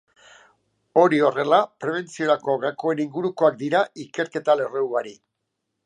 Hori horrela, prebentziorako gakoen ingurukoak dira ikerketa lerro ugari.